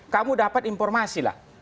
kamu dapat informasi lah